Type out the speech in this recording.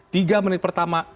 tiga menit pertama